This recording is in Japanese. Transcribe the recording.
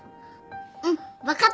うん分かった。